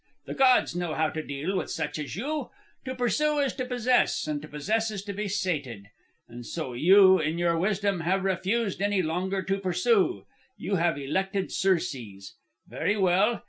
The gods know how to deal with such as you. To pursue is to possess, and to possess is to be sated. And so you, in your wisdom, have refused any longer to pursue. You have elected surcease. Very well.